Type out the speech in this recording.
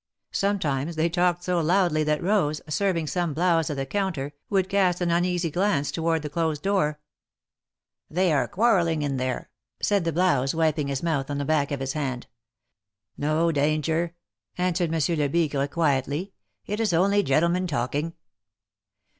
Sometimes they talked so loudly that Rose, serving some blouse at the counter, would cast an uneasy glance toward the closed door. ^^They are quarrelling in there!'' said the blouse, wiping his mouth on the back of his hand. '^No danger," answered Monsieur Lebigre, quietly. It is only gentlemen talking."